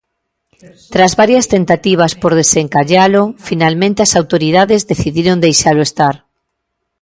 Tras varias tentativas por desencallalo, finalmente as autoridades decidiron deixalo estar.